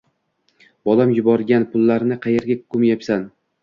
Bolam yuborgan pullarni qaerga ko`mayapsan